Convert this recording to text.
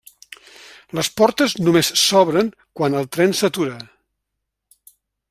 Les portes només s'obren quan el tren s'atura.